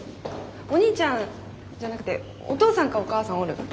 お兄ちゃんじゃなくてお父さんかお母さんおる？